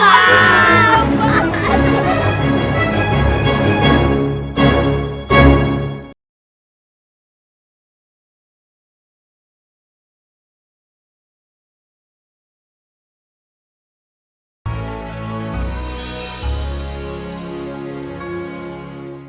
kau inget banjir kan